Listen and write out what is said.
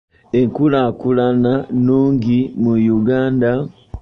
Enkulaakulana nnungi mu Uganda.